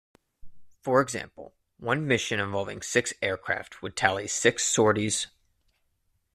For example, one mission involving six aircraft would tally six sorties.